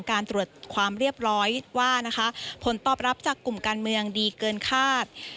การตรวจความเรียบร้อยว่านะคะผลตอบรับจากกลุ่มการเมืองดีเกินคาด